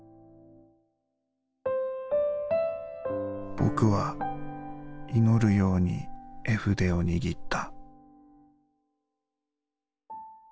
「僕は祈る様に絵筆を握った」。